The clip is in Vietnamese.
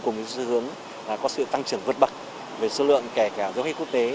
cùng xu hướng có sự tăng trưởng vượt bậc về số lượng kể cả du khách quốc tế